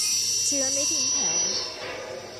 เชื้อไม่ทิ้งแถว